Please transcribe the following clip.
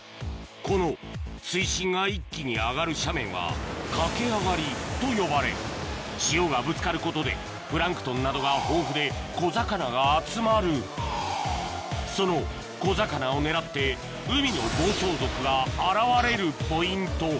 この水深が一気に上がる斜面はかけあがりと呼ばれ潮がぶつかることでプランクトンなどが豊富で小魚が集まるその小魚を狙って海の暴走族が現れるポイント